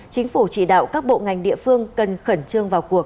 chính phủ chỉ đạo các bộ ngành địa phương cần khẩn trương vào cuộc